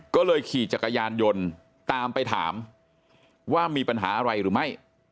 ก็เลยขี่จักรยานยนต์ตามไปถามว่ามีปัญหาอะไรหรือไม่